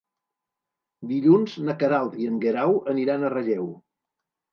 Dilluns na Queralt i en Guerau aniran a Relleu.